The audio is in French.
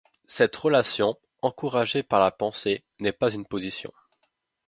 Cette relation, encouragée par la pensée n'est pas une position.